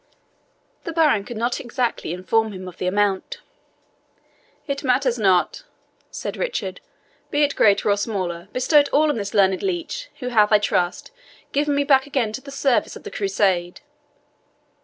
The baron could not exactly inform him of the amount. "It matters not," said Richard; "be it greater or smaller, bestow it all on this learned leech, who hath, I trust, given me back again to the service of the Crusade.